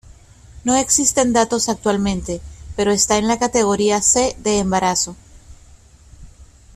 No existen datos actualmente, pero está en la categoría C de embarazo.